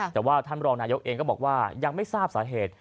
แต่ว่าท่านรองนายกเองก็บอกว่ายังไม่ทราบสาเหตุ